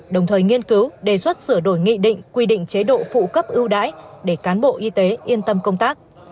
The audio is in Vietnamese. đồng thời nghiên cứu đề xuất sửa đổi nghị định quy định chế độ phụ cấp ưu đãi để cán bộ y tế yên tâm công tác